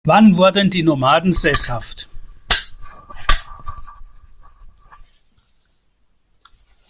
Wann wurden die Nomaden sesshaft?